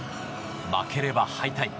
負ければ敗退。